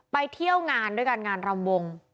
ไปเที่ยวงานด้วยกันงานรำวง